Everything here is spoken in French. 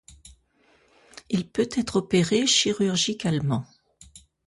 Il peut être opéré chirurgicalement.